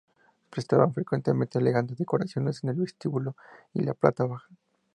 Presentaban frecuentemente elegantes decoraciones en el vestíbulo y la planta baja.